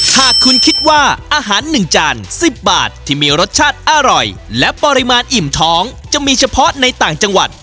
หากคุณคิดว่าอาหาร๑จาน๑๐บาทที่มีรสชาติอร่อยและปริมาณอิ่มท้องจะมีเฉพาะในต่างจังหวัด